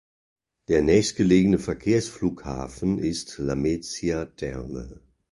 Der nächstgelegene Verkehrsflughafen ist Lamezia Terme.